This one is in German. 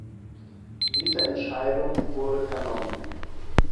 Diese Entscheidung wurde vernommen.